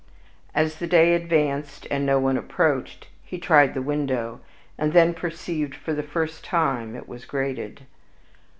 As the day advanced, and no one approached, he tried the window, and then perceived for the first time it was grated.